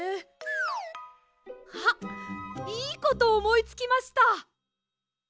あっいいことおもいつきました！